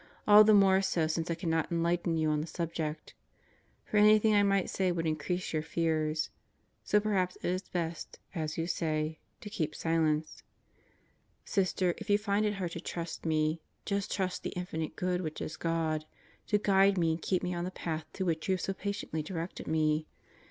All the more so since I cannot enlighten you on the subject. For anything I might say would increase your fears. So perhaps it is best, as you say, to keep silence. Sister, if you find it hard to trust me, just trust the Infinite Good, which is ,God, to guide me and keep me on the path to which you have so patiently directed me.